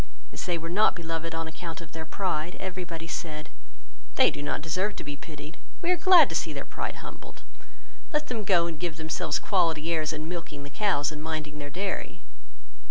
As they were not beloved on account of their pride, every body said, "they do not deserve to be pitied, we are glad to see their pride humbled, let them go and give themselves quality airs in milking the cows and minding their dairy.